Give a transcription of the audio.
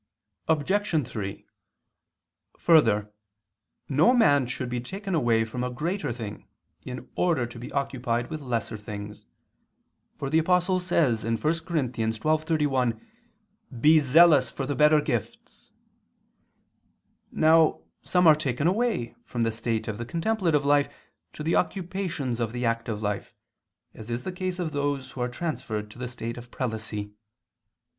Obj. 3: Further, no man should be taken away from a greater thing in order to be occupied with lesser things: for the Apostle says (1 Cor. 12:31): "Be zealous for the better gifts." Now some are taken away from the state of the contemplative life to the occupations of the active life, as in the case of those who are transferred to the state of prelacy.